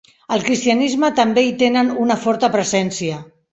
El cristianisme també hi tenen una forta presència.